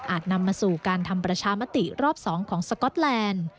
นำมาสู่การทำประชามติรอบ๒ของสก๊อตแลนด์